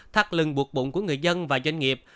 thắt lưng buộc bụng của người dân và doanh nghiệp